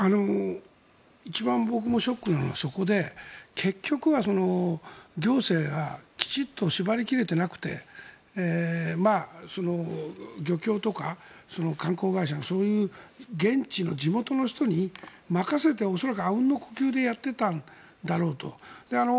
一番僕もショックなのはそこで結局は、行政がきちんと縛り切れていなくて漁協とか観光会社そういう現地の、地元の人に任せて恐らく、あうんの呼吸でやっていたんだろうと。